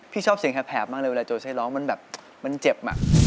พี่ชอบเสียงแภบมากเลยเวลาโจเซร้องมันเจ็บ